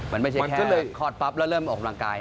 มันไม่ใช่มันก็เลยคลอดปั๊บแล้วเริ่มออกกำลังกาย